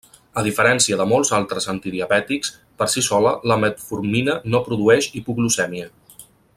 A diferència de molts altres antidiabètics, per si sola, la metformina no produeix hipoglucèmia.